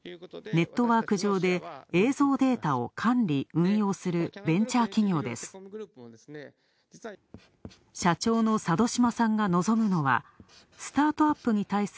ネットワーク上で映像データを管理・運用するベンチャー企業です。